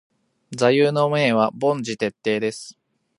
座右の銘は凡事徹底です。